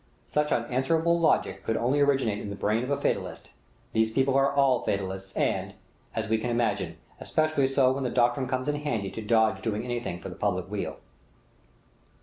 Such unanswerable logic could only originate in the brain of a fatalist; these people are all fatalists, and as we can imagine especially so when the doctrine comes in handy to dodge doing anything for the public weal.